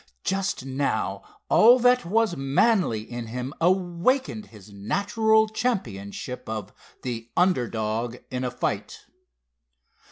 Just now all that was manly in him awakened his natural championship of "the under dog in a fight."